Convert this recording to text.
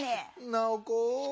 ナオコ。